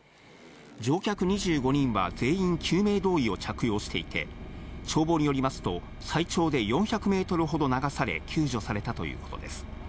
乗客２５人は全員救命胴衣を着用していて、消防によりますと、最長で４００メートルほど流され、救助されたということです。